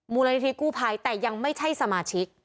มูลนิธิกู้ภัยแต่ยังไม่ใช่สมาชิก